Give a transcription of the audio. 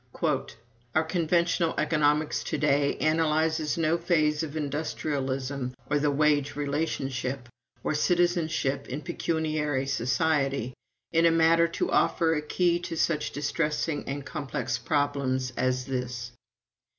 "Our conventional economics to day analyzes no phase of industrialism or the wage relationship, or citizenship in pecuniary society, in a manner to offer a key to such distressing and complex problems as this.